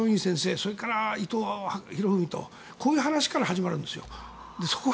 それから伊藤博文とこういう話から始まるんですよ。